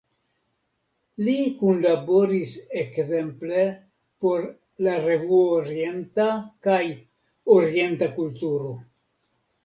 Li kunlaboris ekzemple por "La Revuo Orienta" kaj "Orienta Kulturo".